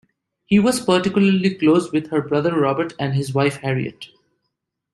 He was particularly close with her brother Robert and his wife Harriot.